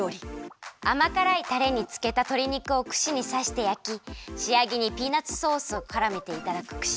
あまからいタレにつけたとり肉をくしにさしてやきしあげにピーナツソースをからめていただくくし